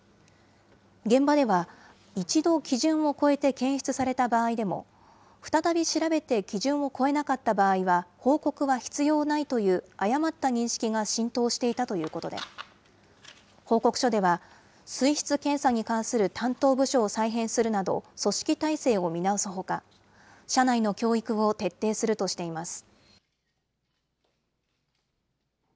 現場では、一度基準を超えて検出された場合でも、再び調べて基準を超えなかった場合は報告は必要ないという誤った認識が浸透していたということで、報告書では、水質検査に関する担当部署を再編するなど、組織体制を見直すほか、社内の教育を徹底するとしています。